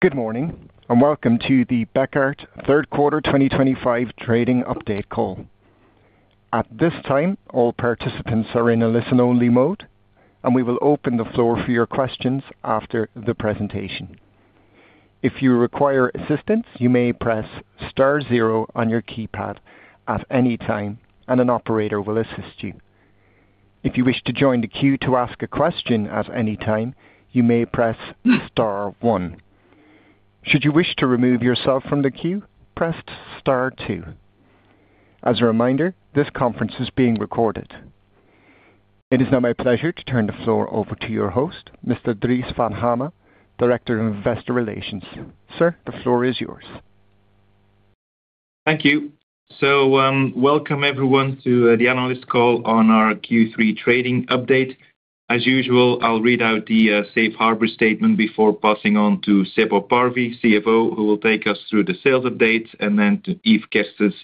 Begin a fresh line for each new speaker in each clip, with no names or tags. Good morning, and welcome to the Bekaert Third Quarter 2025 Trading Update Call. At this time, all participants are in a listen-only mode, and we will open the floor for your questions after the presentation. If you require assistance, you may press *0 on your keypad at any time, and an operator will assist you. If you wish to join the queue to ask a question at any time, you may press *1. Should you wish to remove yourself from the queue, press *2. As a reminder, this conference is being recorded. It is now my pleasure to turn the floor over to your host, Mr. Dries Van Hamme, Director of Investor Relations. Sir, the floor is yours.
Thank you. Welcome everyone to the analyst call on our Q3 trading update. As usual, I'll read out the safe harbor statement before passing on to Seppo Parvi, CFO, who will take us through the sales updates, and then to Yves Kerstens,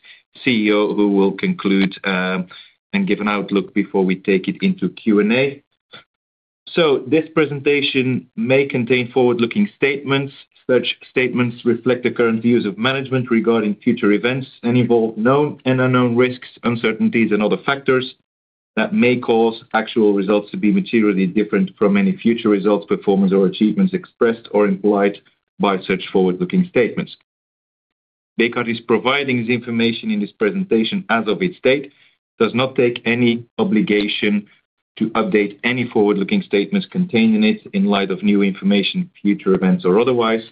CEO, who will conclude and give an outlook before we take it into Q&A. This presentation may contain forward-looking statements. Such statements reflect the current views of management regarding future events and involve known and unknown risks, uncertainties, and other factors that may cause actual results to be materially different from any future results, performance, or achievements expressed or implied by such forward-looking statements. Bekaert is providing this information in this presentation as of its date, does not take any obligation to update any forward-looking statements contained in it in light of new information, future events, or otherwise,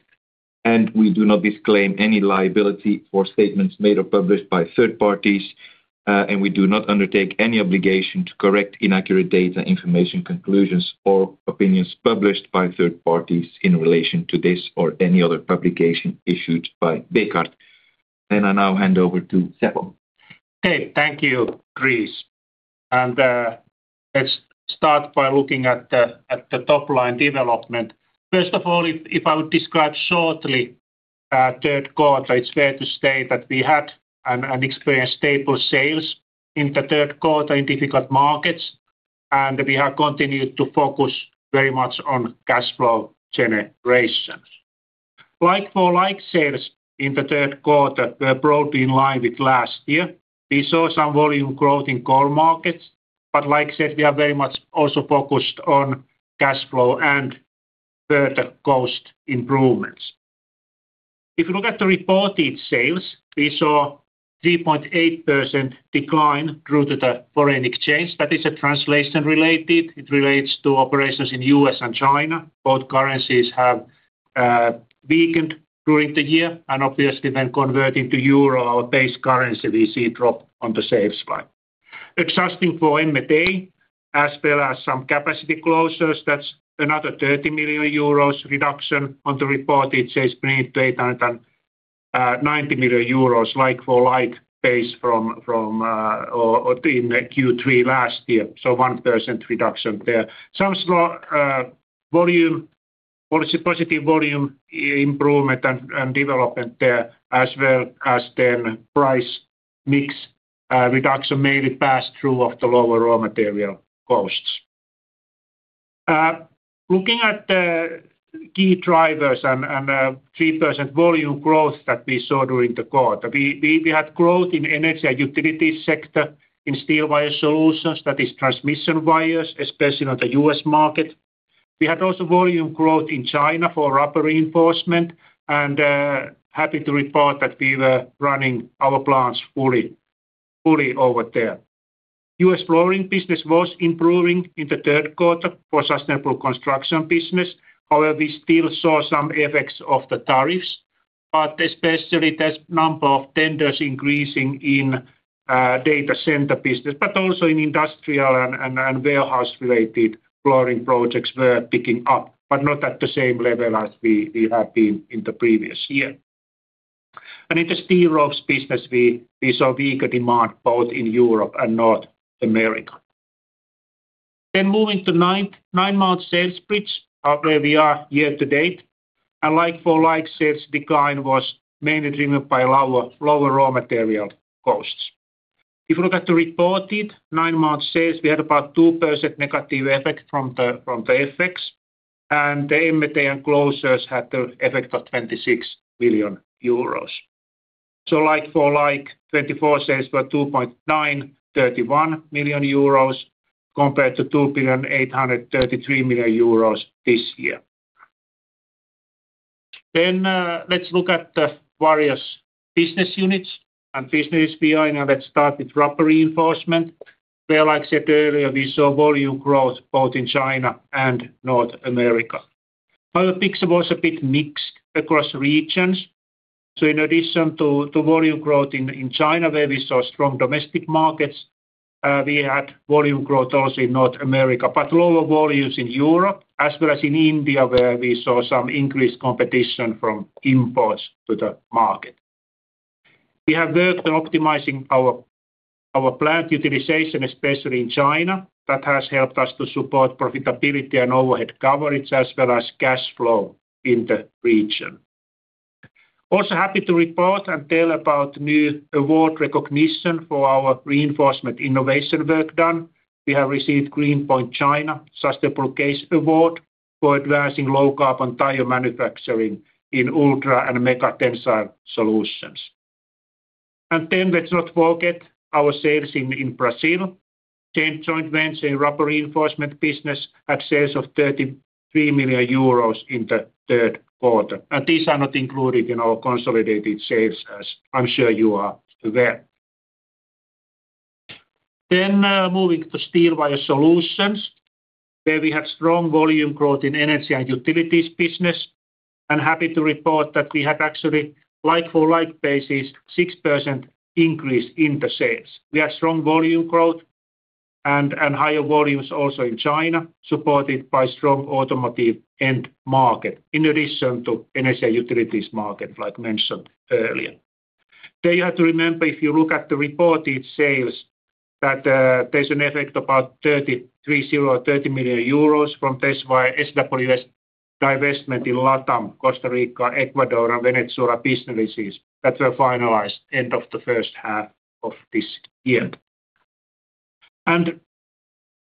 and we do not disclaim any liability for statements made or published by third parties, and we do not undertake any obligation to correct inaccurate data, information, conclusions, or opinions published by third parties in relation to this or any other publication issued by Bekaert. I now hand over to Seppo.
Okay, thank you, Dries. Let's start by looking at the top-line development. First of all, if I would describe shortly third quarter, it's fair to say that we had an experienced stable sales in third quarter in difficult markets, and we have continued to focus very much on cash flow generation. Like-for-like sales in third quarter were broadly in line with last year. We saw some volume growth in core markets, but like I said, we are very much also focused on cash flow and further cost improvements. If you look at the reported sales, we saw a 3.8% decline due to the foreign exchange. That is translation-related. It relates to operations in the U.S. and China. Both currencies have weakened during the year, and obviously, when converting to EUR, our base currency, we see drop on the sales line. Adjusting for M&A, as well as some capacity closures, that's another 30 million euros reduction on the reported sales bringing to EUR 890 million, like-for-like base from, from, or in Q3 last year. 1% reduction there. Some slow, positive volume improvement and development there, as well as then price mix, reduction maybe passed through of the lower raw material costs. Looking at the key drivers and 3% volume growth that we saw during third quarter, we had growth in energy and utilities sector, in steel wire solutions, that is transmission wires, especially on the U.S. market. We had also volume growth in China for rubber reinforcement, and happy to report that we were running our plants fully, fully over there. U.S. flooring business was improving in third quarter for sustainable construction business. However, we still saw some effects of the tariffs, but especially the number of tenders increasing in data center business, but also in industrial and warehouse-related flooring projects were picking up, but not at the same level as we had been in the previous year. In the steel ropes business, we saw weaker demand both in Europe and North America. Moving to nine-month sales spreads of where we are year to date, the like-for-like sales decline was mainly driven by lower raw material costs. If you look at the reported nine-month sales, we had about 2% negative effect from the effects, and the M&A and closures had the effect of 26 million euros. Like-for-like 2024 sales were 2,931 million euros compared to 2,833 million euros this year. Let's look at the various business units and business view, and let's start with rubber reinforcement, where like I said earlier, we saw volume growth both in China and North America. However, picture was a bit mixed across regions. In addition to volume growth in China, where we saw strong domestic markets, we had volume growth also in North America, but lower volumes in Europe, as well as in India, where we saw some increased competition from imports to the market. We have worked on optimizing our plant utilization, especially in China. That has helped us to support profitability and overhead coverage, as well as cash flow in the region. Also, happy to report and tell about new award recognition for our reinforcement innovation work done. We have received Green Point China Sustainable Case Award for advancing low-carbon tire manufacturing in ultra and mega tensile solutions. Let's not forget our sales in Brazil. Joint venture in rubber reinforcement business had sales of 33 million euros in third quarter, and these are not included in our consolidated sales, as I am sure you are aware. Moving to steel wire solutions, where we had strong volume growth in energy and utilities business, and happy to report that we had actually, like-for-like basis, 6% increase in the sales. We had strong volume growth and higher volumes also in China, supported by strong automotive end market, in addition to energy and utilities market, like mentioned earlier. You have to remember, if you look at the reported sales, that there is an effect of about 33 million euros from SWS divestment in LATAM, Costa Rica, Ecuador, and Venezuela businesses that were finalized end of the first half of this year.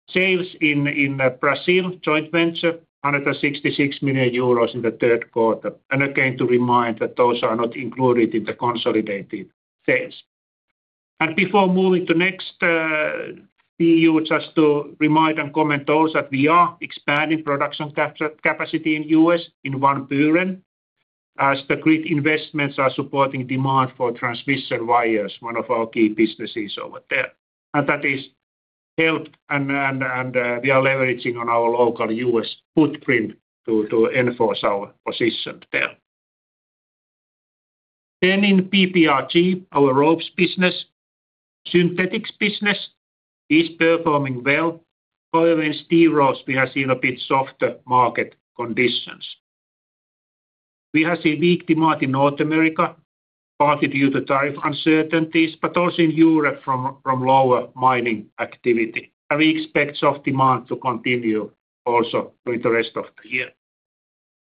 Sales in Brazil, joint venture, 166 million euros in third quarter, and again to remind that those are not included in the consolidated sales. Before moving to next, view, just to remind and comment also that we are expanding production capacity in the U.S. in Obernburg, as the grid investments are supporting demand for transmission wires, one of our key businesses over there. That is helped, and we are leveraging on our local U.S. footprint to enforce our position there. In BBRG, our ropes business, synthetics business, is performing well. However, in steel ropes, we have seen a bit softer market conditions. We have seen weak demand in North America, partly due to tariff uncertainties, but also in Europe from lower mining activity, and we expect soft demand to continue also during the rest of the year.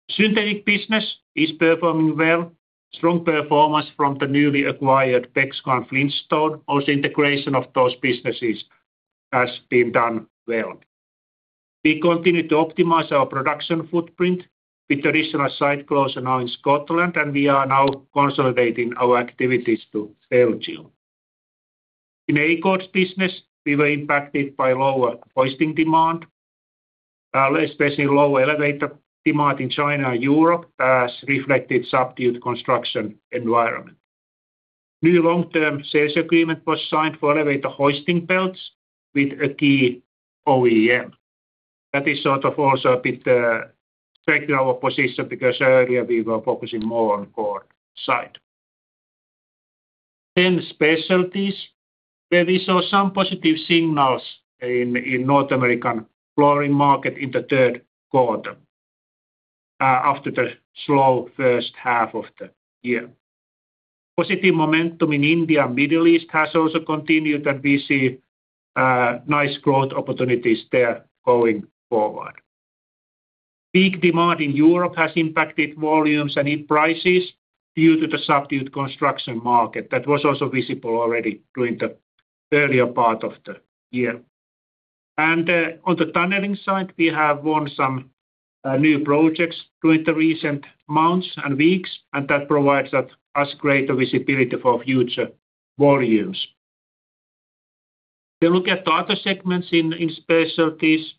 Synthetic business is performing well. Strong performance from the newly acquired Beckwith Flintstone. Also, integration of those businesses has been done well. We continue to optimize our production footprint with the regional site closure now in Scotland, and we are now consolidating our activities to Belgium. In the synthetic ropes business, we were impacted by lower hoisting demand, especially lower elevator demand in China and Europe, as reflected in the subdued construction environment. New long-term sales agreement was signed for elevator hoisting belts with a key OEM. That has also a bit strengthened our position because earlier we were focusing more on core side. Then specialties, where we saw some positive signals in, in North American flooring market in third quarter, after the slow first half of the year. Positive momentum in India and Middle East has also continued, and we see nice growth opportunities there going forward. Weak demand in Europe has impacted volumes and in prices due to the subdued construction market. That was also visible already during the earlier part of the year. On the tunneling side, we have won some new projects during the recent months and weeks, and that provides us greater visibility for future volumes. If you look at the other segments, in specialties,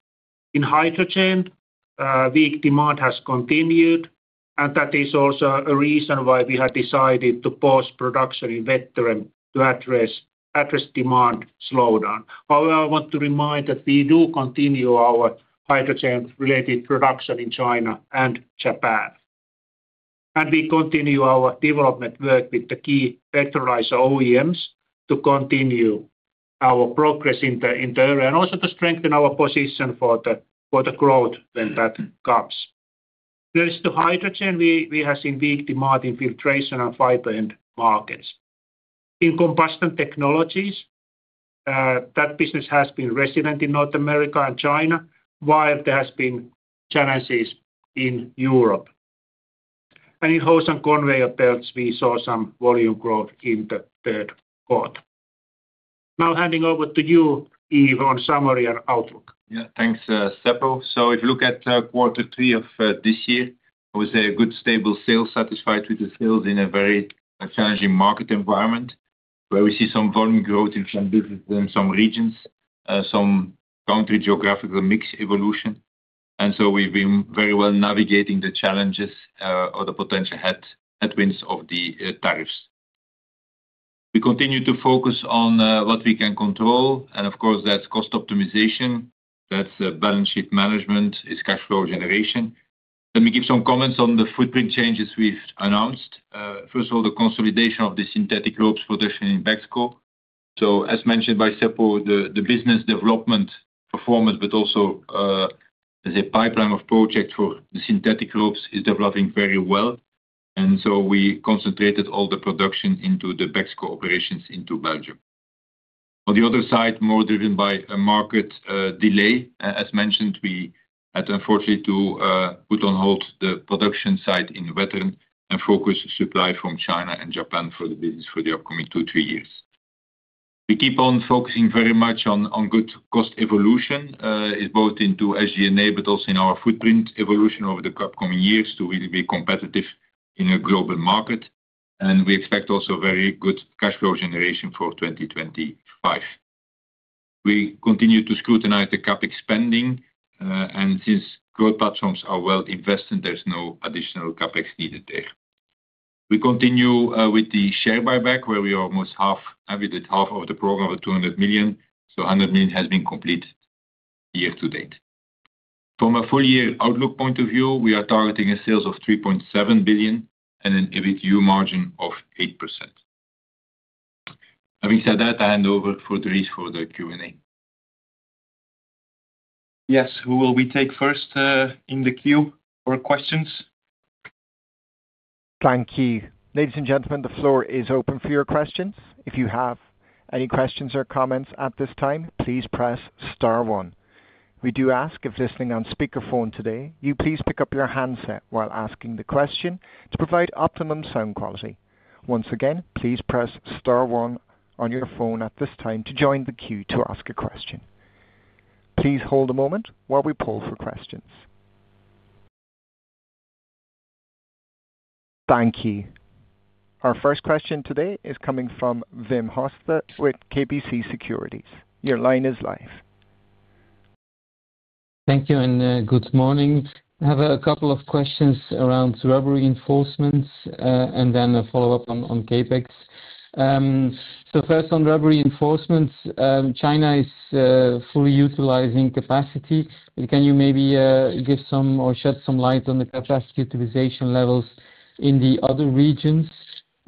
in hydrogen, weak demand has continued, and that is also a reason why we have decided to pause production in Verviers to address demand slowdown. However, I want to remind that we do continue our hydrogen-related production in China and Japan, and we continue our development work with the key vectorizer OEMs to continue our progress in the area, and also to strengthen our position for the growth when that comes. There is, to hydrogen, we have seen weak demand in filtration and fiber end markets. In combustion technologies, that business has been resident in North America and China, while there have been challenges in Europe. In hose and conveyor belts, we saw some volume growth in Q3. Now handing over to you, Yves, on summary and outlook.
Yeah, thanks, Seppo. If you look at third quarter of this year, I would say a good stable sales, satisfied with the sales in a very challenging market environment, where we see some volume growth in some businesses and some regions, some country geographical mix evolution. We have been very well navigating the challenges, or the potential headwinds of the tariffs. We continue to focus on what we can control, and of course, that's cost optimization, that's balance sheet management, it's cash flow generation. Let me give some comments on the footprint changes we've announced. First of all, the consolidation of the synthetic ropes production in Belgium. As mentioned by Seppo, the business development performance, but also as a pipeline of projects for the synthetic ropes, is developing very well. We concentrated all the production into the Belgium operations. On the other side, more driven by a market delay, as mentioned, we had unfortunately to put on hold the production site in Verviers and focus supply from China and Japan for the business for the upcoming two, three years. We keep on focusing very much on good cost evolution, both into SG&A, but also in our footprint evolution over the upcoming years to really be competitive in a global market, and we expect also very good cash flow generation for 2025. We continue to scrutinize the CapEx spending, and since growth platforms are well invested, there's no additional CapEx needed there. We continue with the share buyback, where we are almost half, we did half of the program of 200 million, so 100 million has been completed year to date. From a full year outlook point of view, we are targeting a sales of 3.7 billion and an EBITu margin of 8%. Having said that, I hand over, Dries, for the Q&A.
Yes, who will we take first in the queue for questions?
Thank you. Ladies and gentlemen, the floor is open for your questions. If you have any questions or comments at this time, please press star one. We do ask, if listening on speakerphone today, you please pick up your handset while asking the question to provide optimum sound quality. Once again, please press star one on your phone at this time to join the queue to ask a question. Please hold a moment while we poll for questions. Thank you. Our first question today is coming from Wim Hoste with KBC Securities. Your line is live.
Thank you, and good morning. I have a couple of questions around rubber reinforcements, and then a follow-up on CapEx. First on rubber reinforcements, China is fully utilizing capacity. Can you maybe give some or shed some light on the capacity utilization levels in the other regions?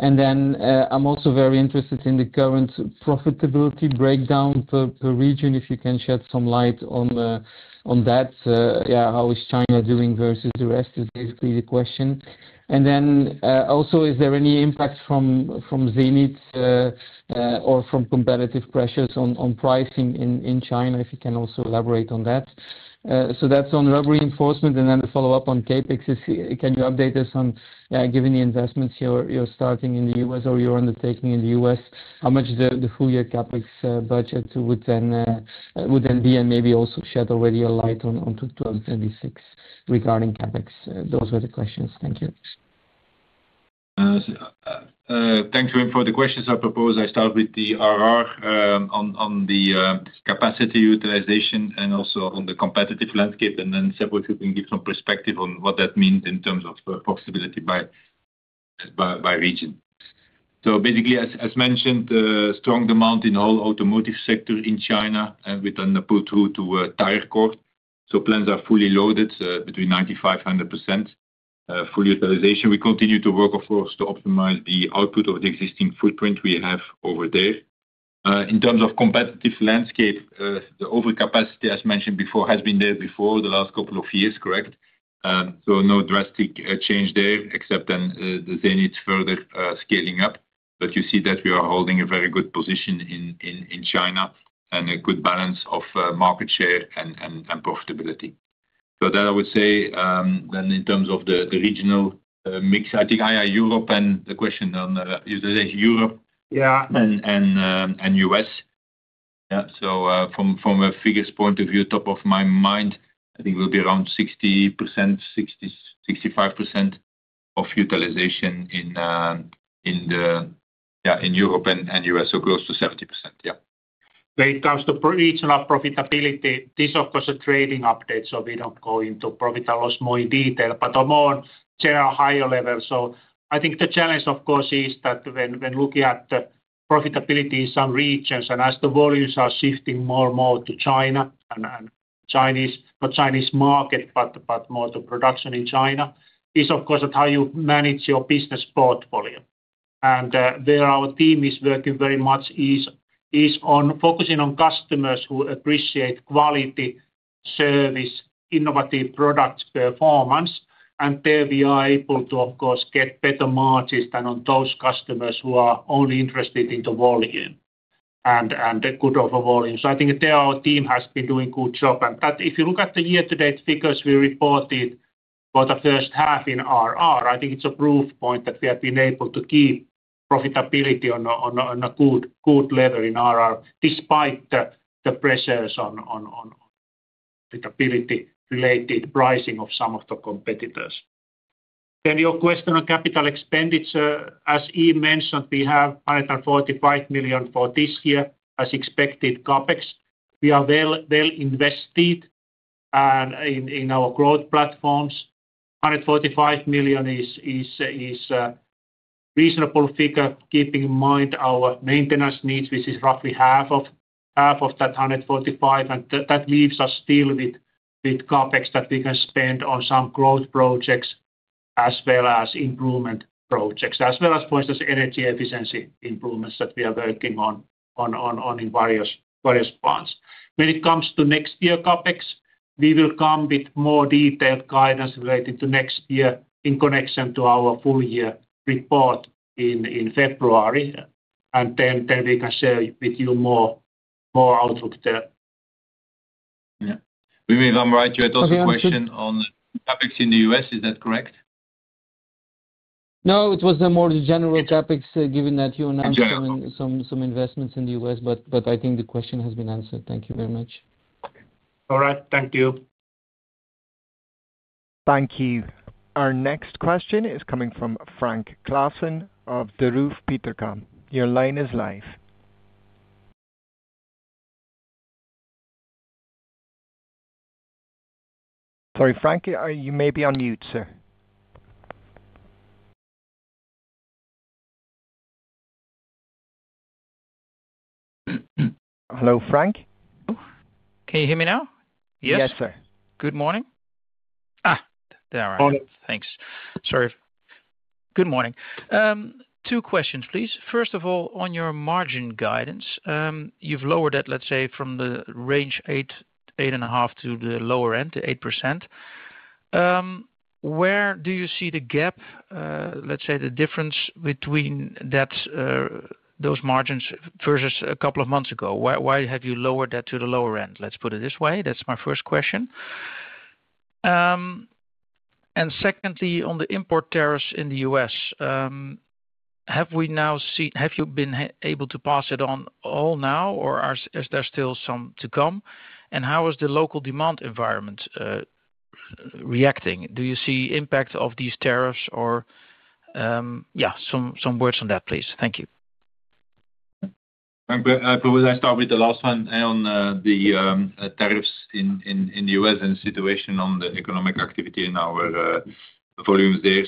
I am also very interested in the current profitability breakdown per region, if you can shed some light on that. Yeah, how is China doing versus the rest is basically the question. Also, is there any impact from Zenith, or from competitive pressures on pricing in China, if you can also elaborate on that? That's on rubber reinforcement, and then the follow-up on CapEx is, can you update us on, given the investments you're starting in the U.S. or you're undertaking in the U.S., how much the full year CapEx budget would then be, and maybe also shed already a light on 2026 regarding CapEx? Those were the questions. Thank you.
Thank you for the questions. I propose I start with the RR, on the capacity utilization and also on the competitive landscape, and then Seppo, if you can give some perspective on what that means in terms of profitability by region. Basically, as mentioned, strong demand in the whole automotive sector in China, and we tend to pull through to tire cord. Plans are fully loaded, between 95%-100% full utilization. We continue to work, of course, to optimize the output of the existing footprint we have over there. In terms of competitive landscape, the overcapacity, as mentioned before, has been there before the last couple of years, correct? No drastic change there, except then, the Zenith further scaling up. You see that we are holding a very good position in China and a good balance of market share and profitability. I would say, in terms of the regional mix, I think Europe and the question on, is it Europe?
Yeah.
And U.S.. Yeah. From a figures point of view, top of my mind, I think it will be around 60%, 60%-65% of utilization in Europe and U.S., so close to 70%. Yeah.
Great. As to per each and our profitability, this is, of course, a trading update, so we do not go into profit and loss more in detail, but more on general higher level. I think the challenge, of course, is that when looking at the profitability in some regions, and as the volumes are shifting more and more to China and, and Chinese, not Chinese market, but more to production in China, is, of course, that how you manage your business portfolio. Where our team is working very much is on focusing on customers who appreciate quality service, innovative product performance, and there we are able to, of course, get better margins than on those customers who are only interested in the volume and the good of the volume. I think that our team has been doing a good job, and that if you look at the year-to-date figures we reported for the first half in RR, I think it's a proof point that we have been able to keep profitability on a good, good level in RR despite the pressures on profitability-related pricing of some of the competitors. Your question on capital expenditure, as Yves mentioned, we have 145 million for this year, as expected CapEx. We are well invested in our growth platforms. 145 million is a reasonable figure, keeping in mind our maintenance needs, which is roughly half of that 145 million, and that leaves us still with CapEx that we can spend on some growth projects as well as improvement projects, as well as, for instance, energy efficiency improvements that we are working on in various plans. When it comes to next year CapEx, we will come with more detailed guidance relating to next year in connection to our full year report in February, and then we can share with you more outlook there.
Yeah. We will come right to it. Also, question on CapEx in the U.S., is that correct?
No, it was a more general CapEx, given that you announced some investments in the U.S., but I think the question has been answered. Thank you very much.
All right. Thank you.
Thank you. Our next question is coming from Frank Claassen of Degroof Petercam. Your line is live. Sorry, Frank, you may be on mute, sir. Hello, Frank?
Can you hear me now? Yes?
Yes, sir.
Good morning. There I am. Thanks. Sorry. Good morning. Two questions, please. First of all, on your margin guidance, you've lowered it, let's say, from the range 8%-8.5% to the lower end, to 8%. Where do you see the gap, let's say, the difference between that, those margins versus a couple of months ago? Why, why have you lowered that to the lower end? Let's put it this way. That's my first question. And secondly, on the import tariffs in the U.S., have we now seen, have you been able to pass it on all now, or is there still some to come? And how is the local demand environment, reacting? Do you see impact of these tariffs or, yeah, some, some words on that, please? Thank you.
I propose I start with the last one on the tariffs in the U.S. and the situation on the economic activity in our volumes there.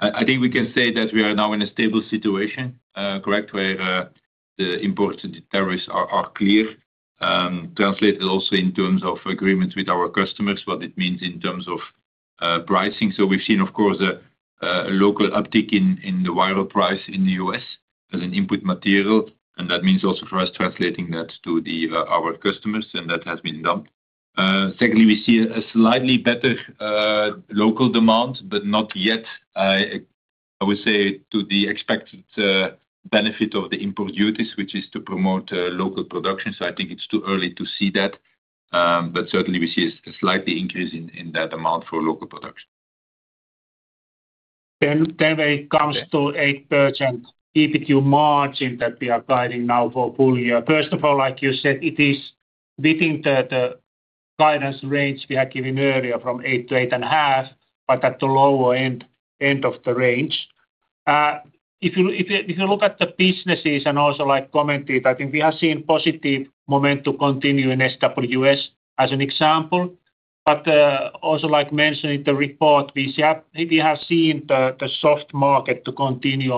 I think we can say that we are now in a stable situation, correct, where the import tariffs are clear, translated also in terms of agreement with our customers, what it means in terms of pricing. We've seen, of course, a local uptick in the wire price in the U.S. as an input material, and that means also for us translating that to our customers, and that has been done. Secondly, we see a slightly better local demand, but not yet, I would say, to the expected benefit of the import duties, which is to promote local production. I think it's too early to see that, but certainly we see a slightly increase in that amount for local production.
When it comes to 8% EBITu margin that we are guiding now for full year, first of all, like you said, it is within the guidance range we had given earlier from 8%-8.5%, but at the lower end of the range. If you look at the businesses and also, like commented, I think we have seen positive momentum to continue in SWS as an example, but also, like mentioned in the report, we have seen the soft market to continue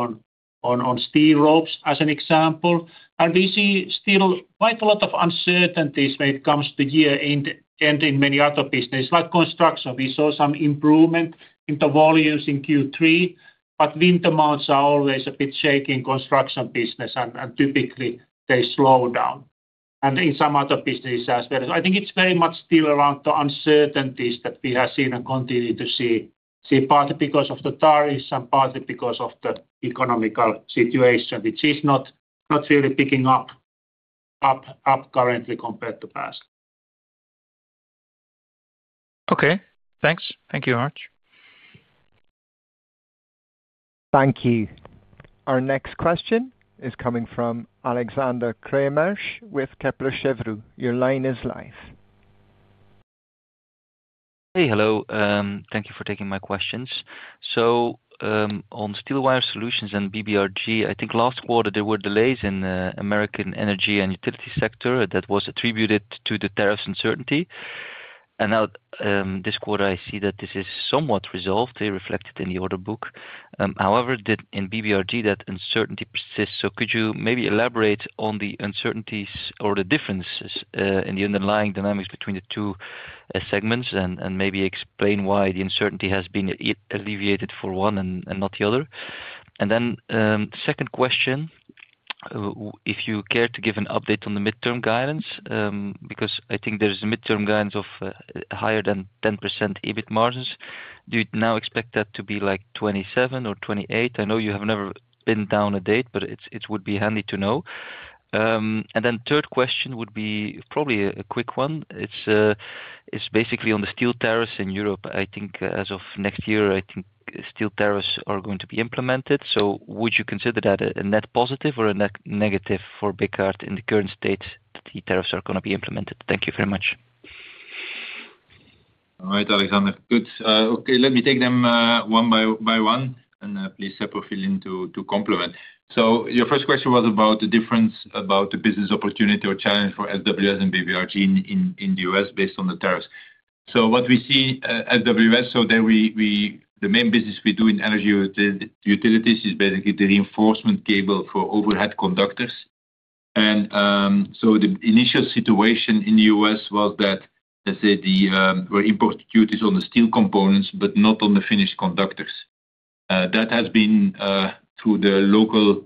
on steel ropes as an example, and we see still quite a lot of uncertainties when it comes to year-end in many other businesses, like construction. We saw some improvement in the volumes in Q3, but wind demands are always a bit shaky in construction business, and typically they slow down, and in some other businesses as well. I think it's very much still around the uncertainties that we have seen and continue to see, partly because of the tariffs and partly because of the economical situation, which is not really picking up currently compared to past.
Okay. Thanks. Thank you very much.
Thank you. Our next question is coming from Alexander Craeymeersch with Kepler Cheuvreux. Your line is live.
Hey, hello. Thank you for taking my questions. On steel wire solutions and BBRG, I think last quarter there were delays in American energy and utility sector that was attributed to the tariffs uncertainty. Now, this quarter I see that this is somewhat resolved, reflected in the order book. However, did in BBRG that uncertainty persist? Could you maybe elaborate on the uncertainties or the differences in the underlying dynamics between the two segments and maybe explain why the uncertainty has been alleviated for one and not the other? Second question, if you care to give an update on the midterm guidance, because I think there's a midterm guidance of higher than 10% EBIT margins. Do you now expect that to be like 27% or 28%? I know you have never been down a date, but it would be handy to know. And then third question would be probably a quick one. It's basically on the steel tariffs in Europe. I think as of next year, I think steel tariffs are going to be implemented. Would you consider that a net positive or a net negative for Bekaert in the current state that the tariffs are going to be implemented? Thank you very much.
All right, Alexander. Good. Okay. Let me take them one by one, and please, Seppo, feel in to complement. Your first question was about the difference about the business opportunity or challenge for SWS and BBRG in the U.S. based on the tariffs. What we see, SWS, the main business we do in energy utilities is basically the reinforcement cable for overhead conductors. The initial situation in the U.S. was that, let's say, there were import duties on the steel components, but not on the finished conductors. That has been, through the local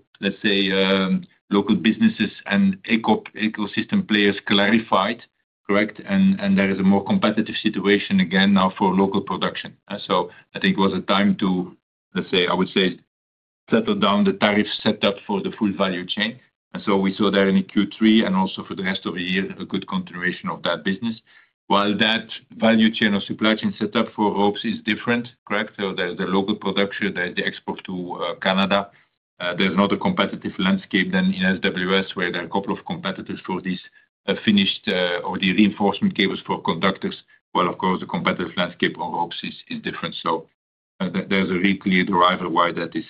businesses and ecosystem players, clarified, correct? There is a more competitive situation again now for local production. I think it was a time to, let's say, I would say, settle down the tariff setup for the full value chain. We saw that in Q3 and also for the rest of the year, a good continuation of that business. While that value chain or supply chain setup for ropes is different, correct? There is the local production, there is the export to Canada. There is not a competitive landscape then in SWS where there are a couple of competitors for these finished or the reinforcement cables for conductors, while, of course, the competitive landscape on ropes is different. There is a really clear derivative why that is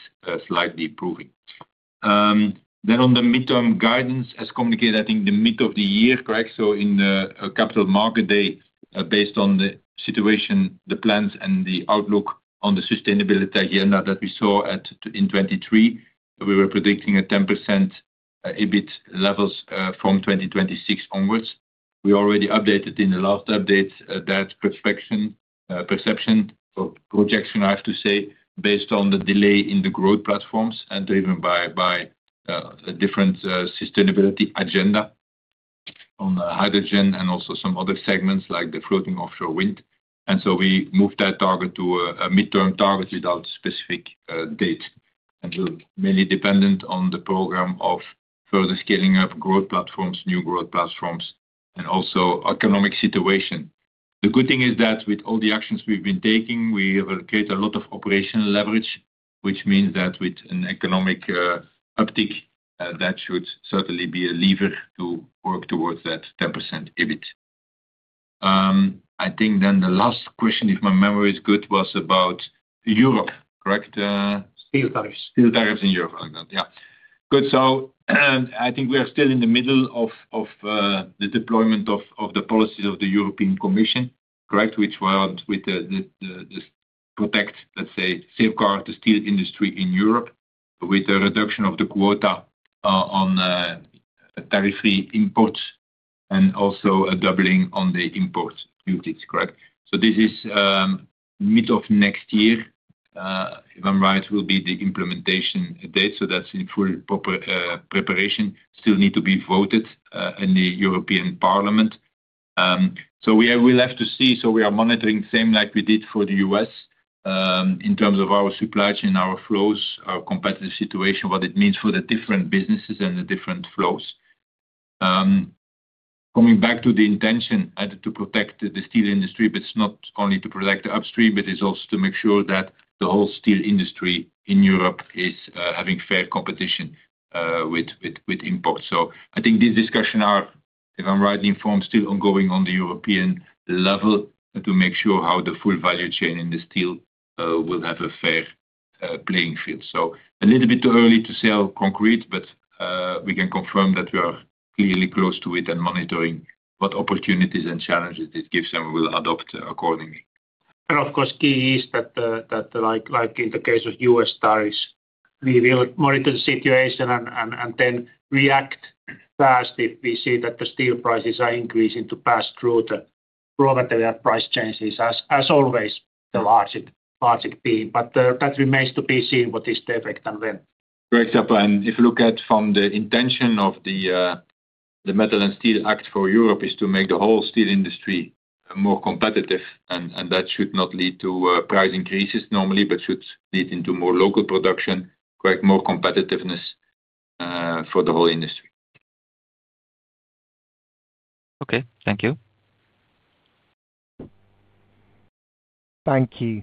slightly improving. On the midterm guidance, as communicated, I think the mid of the year, correct? In the capital market day, based on the situation, the plans and the outlook on the sustainability agenda that we saw at in 2023, we were predicting a 10% EBIT levels, from 2026 onwards. We already updated in the last update, that perfection, perception or projection, I have to say, based on the delay in the growth platforms and driven by, by, a different, sustainability agenda on, hydrogen and also some other segments like the floating offshore wind. We moved that target to a, a midterm target without a specific, date, and it'll mainly dependent on the program of further scaling of growth platforms, new growth platforms, and also economic situation. The good thing is that with all the actions we've been taking, we have created a lot of operational leverage, which means that with an economic uptick, that should certainly be a lever to work towards that 10% EBIT. I think then the last question, if my memory is good, was about Europe, correct?
Steel tariffs.
Steel tariffs in Europe, Alexander. Yeah. Good. I think we are still in the middle of the deployment of the policies of the European Commission, correct, which were to protect, let's say, safeguard the steel industry in Europe with the reduction of the quota on tariff-free imports and also a doubling on the import duties, correct? This is, mid of next year, if I'm right, will be the implementation date. That is in full, proper preparation, still needs to be voted in the European Parliament. We will have to see. We are monitoring the same like we did for the U.S., in terms of our supply chain, our flows, our competitive situation, what it means for the different businesses and the different flows. Coming back to the intention to protect the steel industry, it's not only to protect the upstream, but it's also to make sure that the whole steel industry in Europe is having fair competition with imports. I think these discussions are, if I'm right, informed, still ongoing on the European level to make sure how the full value chain in the steel will have a fair playing field. It's a little bit too early to say concrete, but we can confirm that we are clearly close to it and monitoring what opportunities and challenges this gives, and we will adopt accordingly.
Of course, key is that, like in the case of U.S. tariffs, we will monitor the situation and then react fast if we see that the steel prices are increasing to pass through the raw material price changes, as always, the largest beam. That remains to be seen what is the effect and when.
Correct, Seppo. If you look at it from the intention of the Metal and Steel Act for Europe, it is to make the whole steel industry more competitive, and that should not lead to price increases normally, but should lead to more local production, more competitiveness for the whole industry.
Okay. Thank you. Thank you.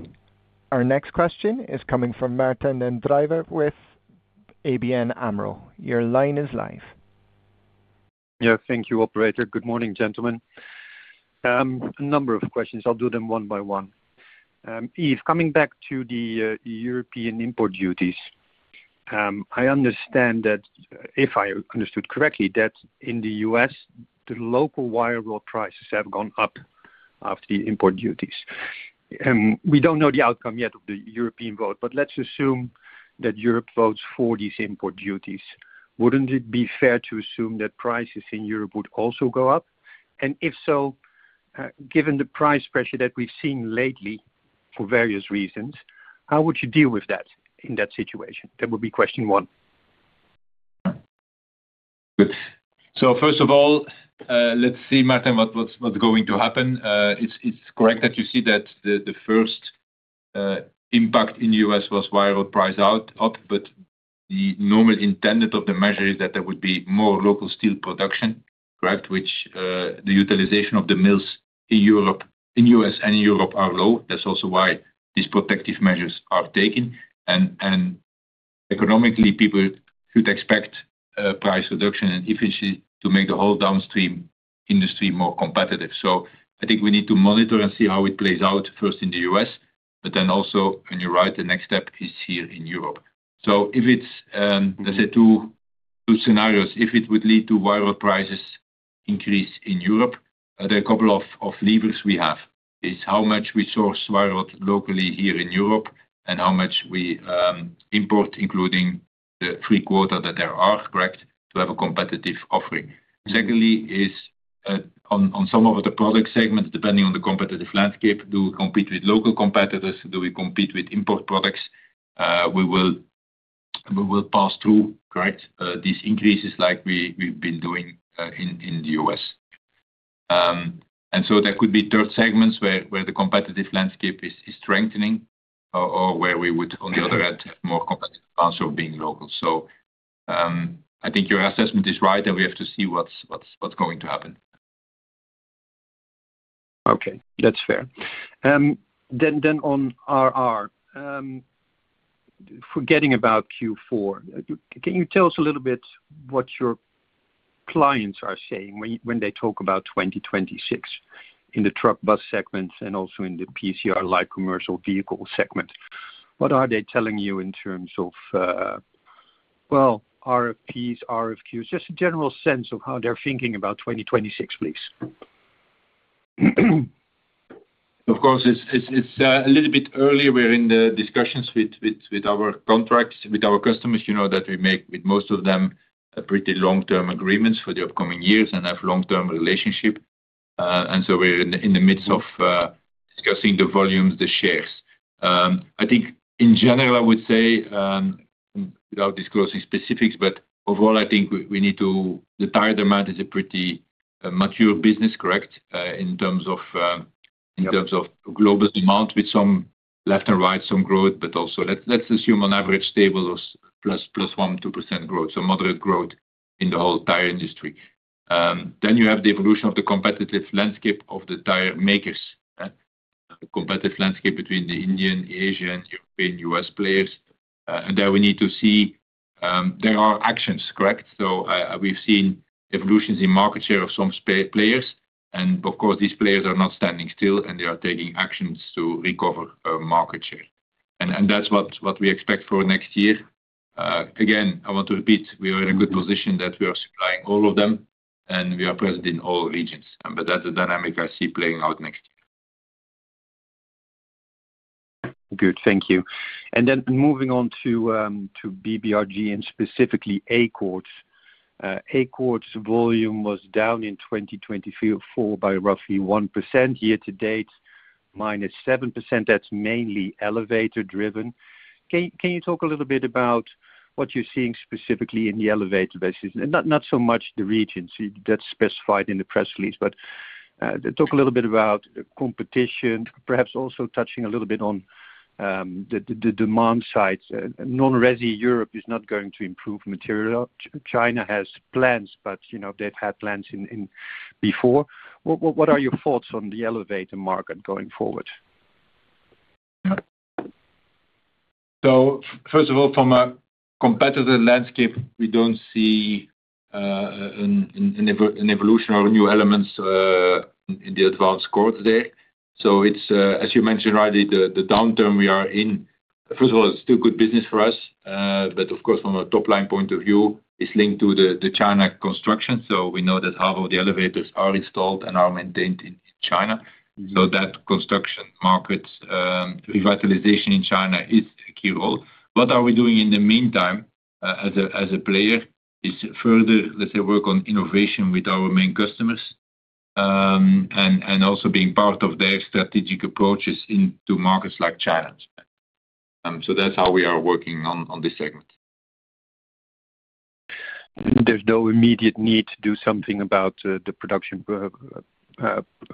Our next question is coming from Martijn den Drijver with ABN AMRO. Your line is live.
Yeah. Thank you, Operator. Good morning, gentlemen. A number of questions. I'll do them one by one. Yves, coming back to the European import duties, I understand that, if I understood correctly, that in the U.S., the local wire rope prices have gone up after the import duties. We don't know the outcome yet of the European vote, but let's assume that Europe votes for these import duties. Wouldn't it be fair to assume that prices in Europe would also go up? And if so, given the price pressure that we've seen lately for various reasons, how would you deal with that in that situation? That would be question one.
Good. First of all, let's see, Martijn, what's going to happen. It's correct that you see that the first impact in the U.S. was wire rope price out, up, but the normal intended of the measure is that there would be more local steel production, correct, which, the utilization of the mills in the U.S. and in Europe are low. That's also why these protective measures are taken. Economically, people should expect price reduction and efficiency to make the whole downstream industry more competitive. I think we need to monitor and see how it plays out first in the U.S., but then also, and you're right, the next step is here in Europe. If it's, let's say, two scenarios, if it would lead to wire rope prices increasing in Europe, there are a couple of levers we have. One is how much we source wire rope locally here in Europe and how much we import, including the free quota that there are, correct, to have a competitive offering. Secondly, on some of the product segments, depending on the competitive landscape, do we compete with local competitors? Do we compete with import products? We will pass through, correct, these increases like we've been doing in the U.S.. There could be third segments where the competitive landscape is strengthening, or where we would, on the other hand, have more competitive advantage of being local. I think your assessment is right, and we have to see what's going to happen.
Okay. That's fair. Then, on RR, forgetting about Q4, can you tell us a little bit what your clients are saying when they talk about 2026 in the truck bus segments and also in the PCR light commercial vehicle segment? What are they telling you in terms of, well, RFPs, RFQs, just a general sense of how they're thinking about 2026, please?
Of course, it's a little bit early. We're in the discussions with our contracts, with our customers, you know, that we make with most of them pretty long-term agreements for the upcoming years and have long-term relationship. And so we're in the midst of discussing the volumes, the shares. I think in general, I would say, without disclosing specifics, but overall, I think we need to, the tire demand is a pretty mature business, correct, in terms of global demand with some left and right, some growth, but also let's assume on average stable or plus 1%-2% growth, so moderate growth in the whole tire industry. Then you have the evolution of the competitive landscape of the tire makers, competitive landscape between the Indian, Asian, European, U.S. players. And there we need to see, there are actions, correct? I, -- we've seen evolutions in market share of some players, and of course, these players are not standing still and they are taking actions to recover a market share. That's what we expect for next year. Again, I want to repeat, we are in a good position that we are supplying all of them and we are present in all regions. That's the dynamic I see playing out next year.
Good. Thank you. Moving on to BBRG and specifically A-Cords. A-Cords volume was down in 2024 by roughly 1% year to date, minus 7%. That's mainly elevator driven. Can you talk a little bit about what you're seeing specifically in the elevator business? Not so much the regions, that's specified in the press release, but talk a little bit about competition, perhaps also touching a little bit on the demand side. Non-RESI Europe is not going to improve material. China has plans, but, you know, they've had plans in before. What are your thoughts on the elevator market going forward?
First of all, from a competitive landscape, we do not see an evolution or new elements in the advanced cords there. As you mentioned rightly, the downturn we are in, first of all, it is still good business for us. Of course, from a top line point of view, it is linked to the China construction. We know that half of the elevators are installed and are maintained in China. That construction market revitalization in China is a key role. What we are doing in the meantime as a player is further, let's say, work on innovation with our main customers, and also being part of their strategic approaches into markets like China. That is how we are working on this segment.
There's no immediate need to do something about the production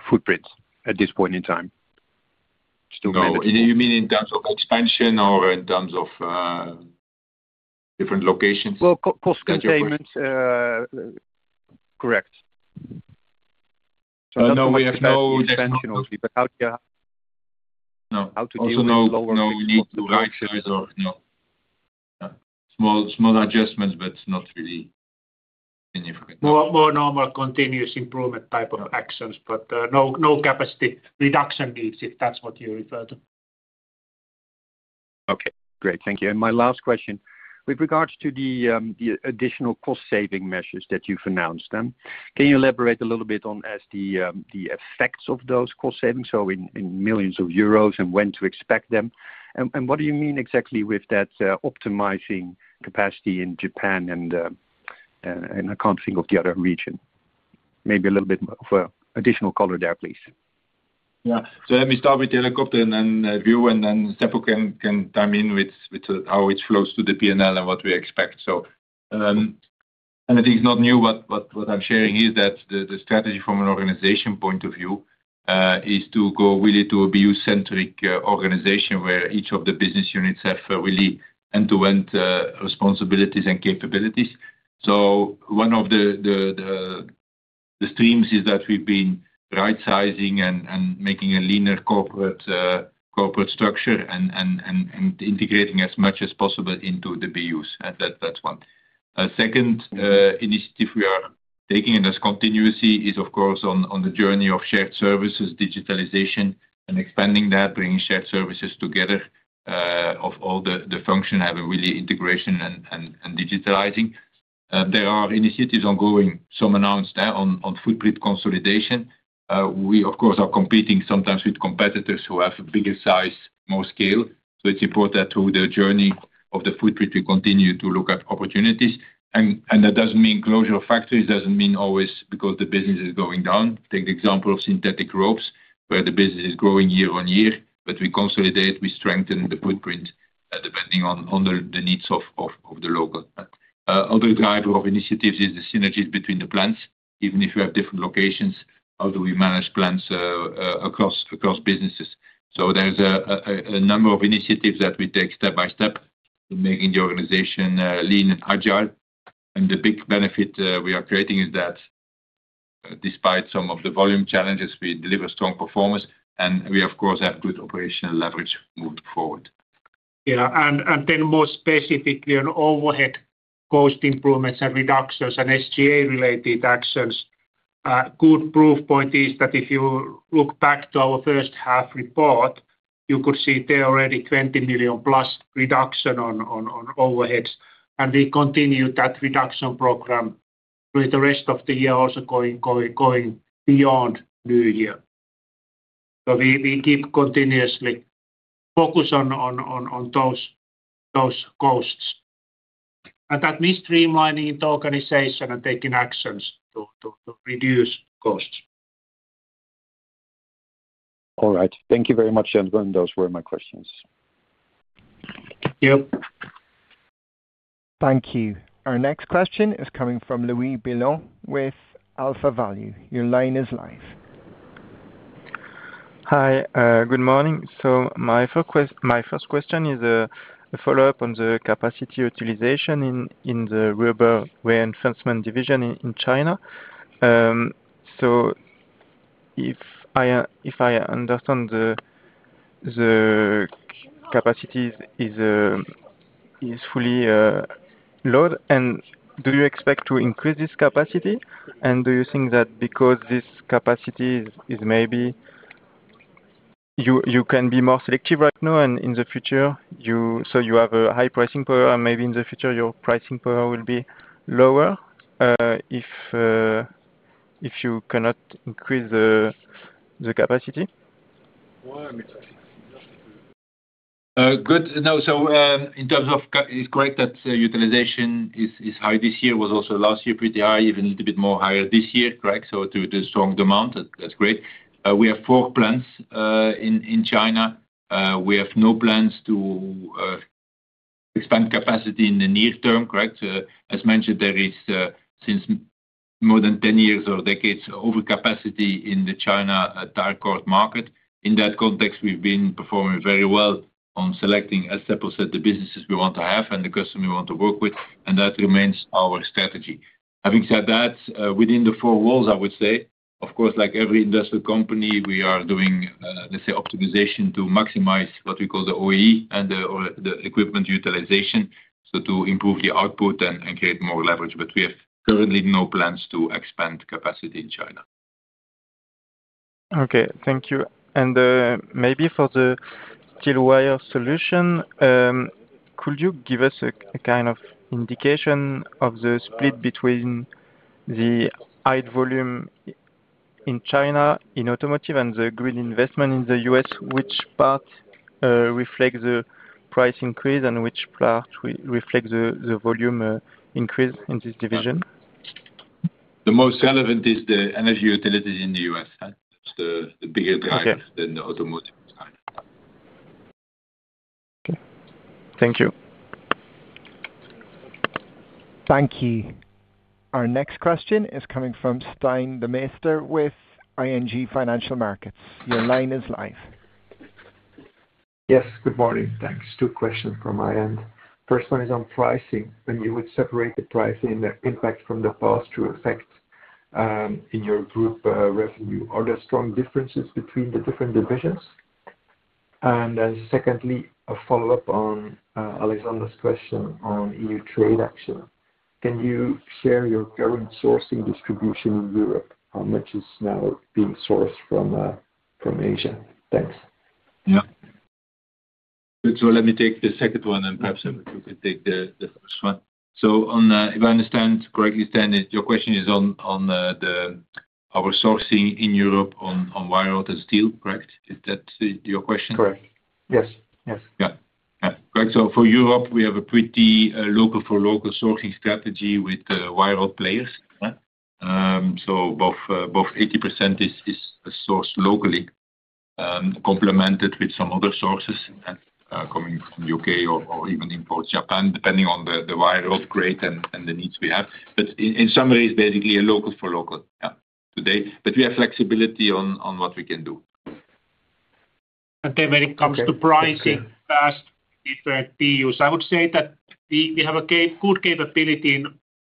footprints at this point in time.
No, you mean in terms of expansion or in terms of different locations?
Cost containment, correct.
No, we have no expansion or, but how do you? No, also no, no need to, right, or, no, small, small adjustments, but not really significant.
More normal continuous improvement type of actions, but no, no capacity reduction needs if that's what you refer to.
Okay. Great. Thank you. My last question with regards to the additional cost saving measures that you've announced, can you elaborate a little bit on the effects of those cost savings? In millions of Euros and when to expect them. What do you mean exactly with that, optimizing capacity in Japan and I can't think of the other region? Maybe a little bit of additional color there, please.
Yeah. Let me start with the helicopter view, and then Seppo can chime in with how it flows to the P&L and what we expect. Anything's not new. What I'm sharing is that the strategy from an organization point of view is to go really to a BU-centric organization where each of the business units have really end-to-end responsibilities and capabilities. One of the streams is that we've been right-sizing and making a leaner corporate structure and integrating as much as possible into the BUs. That's one. A second initiative we are taking, and there's continuity, is of course on the journey of shared services, digitalization, and expanding that, bringing shared services together, of all the functions, having really integration and digitalizing. There are initiatives ongoing, some announced, on footprint consolidation. We, of course, are competing sometimes with competitors who have bigger size, more scale. It is important that through the journey of the footprint, we continue to look at opportunities. That does not mean closure of factories always because the business is going down. Take the example of synthetic ropes where the business is growing year on year, but we consolidate, we strengthen the footprint depending on the needs of the local. Another driver of initiatives is the synergies between the plants. Even if we have different locations, how do we manage plants across businesses? There is a number of initiatives that we take step by step in making the organization lean and agile. The big benefit we are creating is that, despite some of the volume challenges, we deliver strong performance and we, of course, have good operational leverage moved forward.
Yeah. And then more specifically, on overhead cost improvements and reductions and SG&A-related actions, good proof point is that if you look back to our first half report, you could see there already 20 million plus reduction on overheads. We continue that reduction program through the rest of the year also going beyond New Year. We keep continuously focused on those costs. That means streamlining the organization and taking actions to reduce costs.
All right. Thank you very much, gentlemen. Those were my questions.
Yep.
Thank you. Our next question is coming from Louis Billon with Alpha Value. Your line is live.
Hi, good morning. My first question is a follow-up on the capacity utilization in the rubber reinforcement division in China. If I understand, the capacity is fully loaded and do you expect to increase this capacity? Do you think that because this capacity is, maybe you can be more selective right now and in the future, so you have a high pricing power and maybe in the future your pricing power will be lower if you cannot increase the capacity?
Good. No, so, in terms of, it's correct that the utilization is high this year, was also last year pretty high, even a little bit more higher this year, correct? To strong demand, that's great. We have four plants in China. We have no plans to expand capacity in the near term, correct? As mentioned, there is, since more than 10 years or decades, overcapacity in the China tire cord market. In that context, we've been performing very well on selecting, as Seppo said, the businesses we want to have and the customer we want to work with. That remains our strategy. Having said that, within the four walls, I would say, of course, like every industrial company, we are doing, let's say, optimization to maximize what we call the OEE and the, or the equipment utilization, to improve the output and create more leverage. We have currently no plans to expand capacity in China.
Okay. Thank you. Maybe for the steel wire solution, could you give us a kind of indication of the split between the high volume in China in automotive and the green investment in the U.S.? Which part reflects the price increase and which part reflects the volume increase in this division?
The most relevant is the energy utilities in the U.S., huh? That's the bigger driver than the automotive side.
Okay. Thank you.
Thank you. Our next question is coming from Stijn Demeester with ING Financial Markets. Your line is live.
Yes. Good morning. Thanks. Two questions from my end. First one is on pricing. When you would separate the pricing impact from the cost to effect, in your group, revenue, are there strong differences between the different divisions? Secondly, a follow-up on Alexander's question on EU trade action. Can you share your current sourcing distribution in Europe? How much is now being sourced from Asia? Thanks.
Yeah. Let me take the second one and perhaps you could take the first one. If I understand correctly, standard, your question is on the our sourcing in Europe on wire rod and steel, correct? Is that your question?
Correct. Yes.
Yeah. Correct. For Europe, we have a pretty local-for-local sourcing strategy with wire rod players. Both 80% is sourced locally, complemented with some other sources and coming from the U.K. or even import Japan, depending on the wire rod grade and the needs we have. In some ways, basically a local-for-local, yeah, today. We have flexibility on what we can do.
Okay. When it comes to pricing past different BUs, I would say that we have a good capability in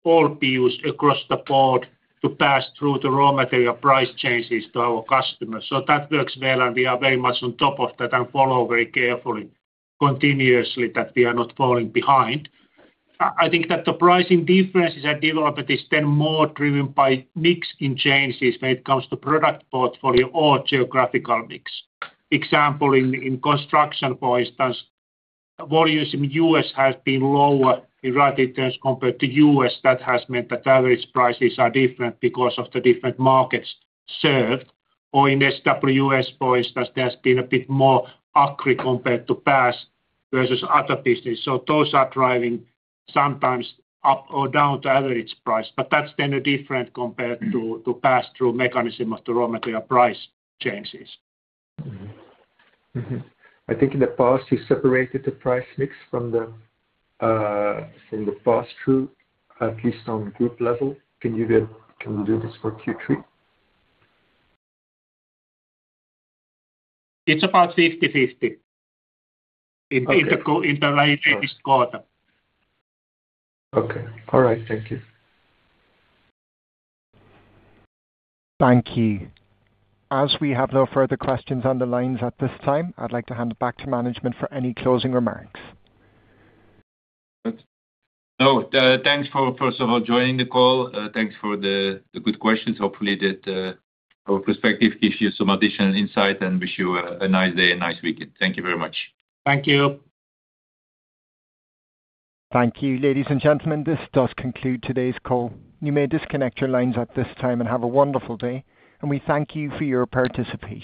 all BUs across the board to pass through the raw material price changes to our customers. That works well and we are very much on top of that and follow very carefully, continuously, that we are not falling behind. I think that the pricing differences are developed, but it is then more driven by mix in changes when it comes to product portfolio or geographical mix. Example in construction, for instance, volumes in the U.S. have been lower in relative terms compared to U.S.. That has meant that average prices are different because of the different markets served. Or in SWS, for instance, there has been a bit more accurate compared to past versus other business. Those are driving sometimes up or down to average price, but that's then a different compared to, to pass through mechanism of the raw material price changes.
I think in the past, you separated the price mix from the, from the past through, at least on group level. Can you get, can you do this for Q3?
It's about 50/50 in the latest quarter.
Okay. All right. Thank you.
Thank you. As we have no further questions on the lines at this time, I'd like to hand it back to management for any closing remarks.
No, thanks for, first of all, joining the call. Thanks for the good questions. Hopefully that, our perspective gives you some additional insight and wish you a nice day and nice weekend. Thank you very much.
Thank you.
Thank you, ladies and gentlemen. This does conclude today's call. You may disconnect your lines at this time and have a wonderful day. We thank you for your participation.